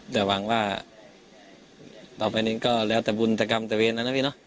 แต่หวังว่าต่อไปนี้ก็แล้วแต่บุญตกรรมตะเวนแล้วนะพี่เนอะ